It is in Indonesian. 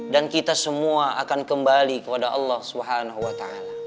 dan kita semua akan kembali kepada allah swt